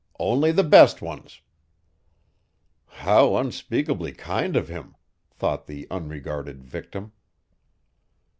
"Only the best ones." "How unspeakably kind of him!" thought the unregarded victim.